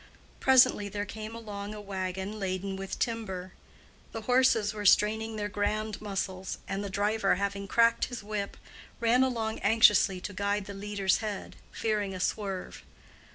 Presently there came along a wagon laden with timber; the horses were straining their grand muscles, and the driver having cracked his whip, ran along anxiously to guide the leader's head, fearing a swerve.